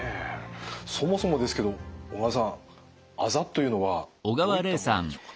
そもそもですけど小川さんあざというのはどういったものなんでしょうか。